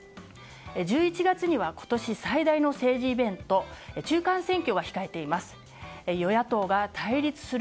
１１月には今年最大の政治イベント中間選挙が控えています。